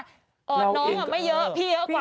อ่อนน้องไม่เยอะพี่เยอะกว่า